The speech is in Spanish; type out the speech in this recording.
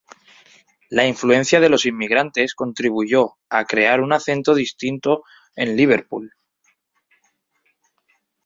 La influencia de los inmigrantes contribuyó a crear un acento distintivo en Liverpool.